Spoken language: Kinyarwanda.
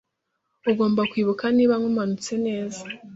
Ugomba kwibuka niba nkumanutse neza